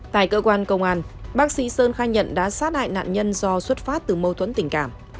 tại cơ quan công an bác sĩ sơn khai nhận đã sát hại nạn nhân do xuất phát từ mâu thuẫn tình cảm